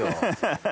ハハハ。